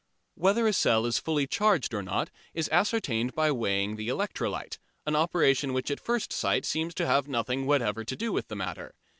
Whether a cell is fully charged or not is ascertained by weighing the electrolyte, an operation which at first sight seems to have nothing whatever to do with the matter.